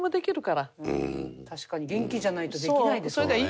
確かに元気じゃないとできないですよね。